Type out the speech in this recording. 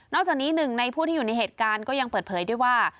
จากนี้หนึ่งในผู้ที่อยู่ในเหตุการณ์ก็ยังเปิดเผยด้วยว่า